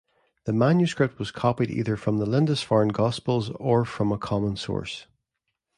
The manuscript was copied either from the Lindisfarne Gospels, or from a common source.